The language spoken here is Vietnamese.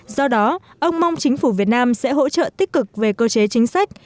do đó ông mong chính phủ việt nam sẽ hỗ trợ tích cực về cơ chế chính sách